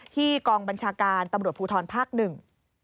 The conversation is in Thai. ที่กองบัญชาการตำรวจผู้ทรภักดิ์หนึ่ง